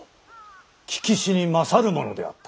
聞きしに勝るものであった。